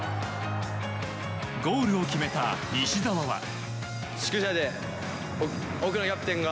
ゴールを決めた西澤は。